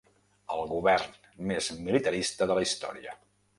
El govern més militarista de la història.